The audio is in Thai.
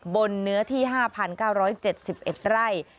บนเนื้อที่๕๙๗๐เอ็ดไร่